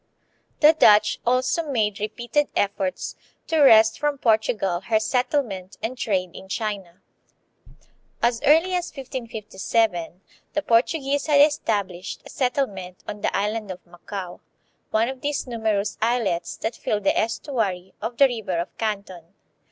The Dutch also made repeated efforts to wrest from Portugal her settlement and trade in China. As. early as 1557 the Portuguese had established a settlement on the island of Macao, one of these numerous islets that fill the estuary of the river of Canton.